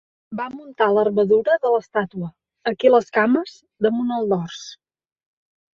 Va muntar l'armadura de l'estàtua, aquí les cames, damunt el dors